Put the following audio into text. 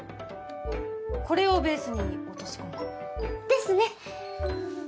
これをベースに落とし込もう。ですね！